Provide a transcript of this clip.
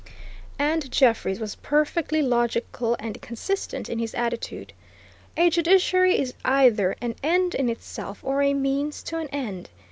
And Jeffreys was perfectly logical and consistent in his attitude. A judiciary is either an end in itself or a means to an end.